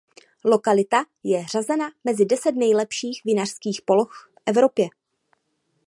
Lokalita je řazena mezi deset nejlepších vinařských poloh v Evropě.